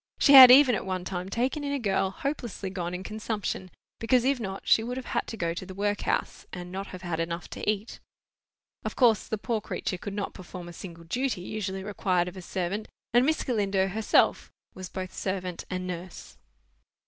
She had even at one time taken in a girl hopelessly gone in consumption, because if not she would have had to go to the workhouse, and not have had enough to eat. Of course the poor creature could not perform a single duty usually required of a servant, and Miss Galindo herself was both servant and nurse.